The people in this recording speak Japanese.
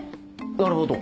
なるほど。